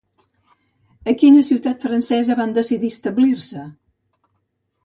A quina ciutat francesa van decidir establir-se?